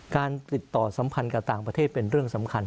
การติดต่อสัมพันธ์กับต่างประเทศเป็นเรื่องสำคัญ